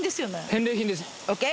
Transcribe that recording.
返礼品ですＯＫ！